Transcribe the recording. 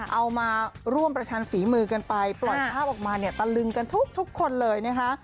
เอามาร่วมประชันฝีมือกันไปปล่อยภาพออกมาเนี่ยตะลึงกันทุกคนเลยนะคะ